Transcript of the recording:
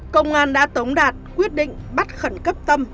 công an đã tống đạt quyết định bắt khẩn cấp tâm